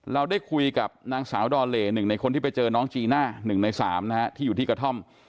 เราได้คุยกับนางสาวดอเล๑ในคนที่ไปเจอน้องจีน่า๑ใน๓นะฮะที่อยู่ที่กระท่อม